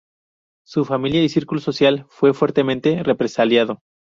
Su familia y círculo social fue fuertemente represaliado.